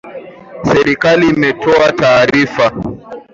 Serikali imetoa taarifa